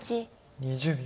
２０秒。